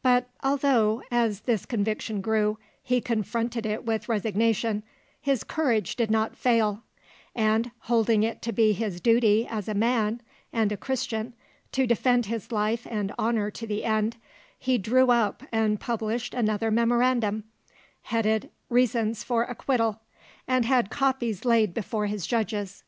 But although, as this conviction grew, he confronted it with resignation, his courage did not fail,—and holding it to be his duty as a man and a Christian to defend his life and honour to the end, he drew up and published another memorandum, headed Reasons for Acquittal, and had copies laid before his judges.